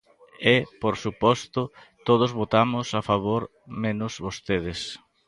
E, por suposto, todos votamos a favor menos vostedes.